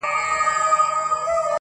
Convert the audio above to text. o چـي اخترونـه پـه واوښـتــل.